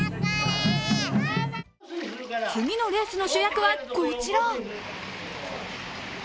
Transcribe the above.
次のレースの主役はこちら。